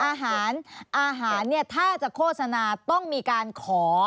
อาหารอาหารเนี่ยถ้าจะโฆษณาต้องมีการขอ